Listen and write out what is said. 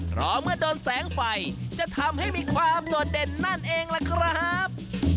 เพราะเมื่อโดนแสงไฟจะทำให้มีความโดดเด่นนั่นเองล่ะครับ